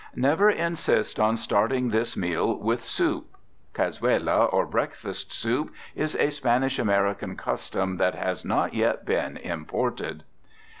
Never insist on starting this meal with soup. Cazuela, or breakfast soup, is a Spanish American custom that has not yet been imported.